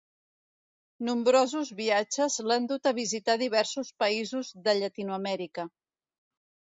Nombrosos viatges l'han dut a visitar diversos països de Llatinoamèrica.